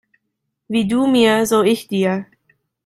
Wie du mir so ich dir.